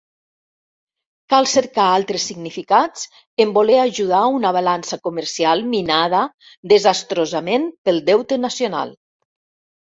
Cal cercar altres significats en voler ajudar una balança comercial minada desastrosament pel deute nacional.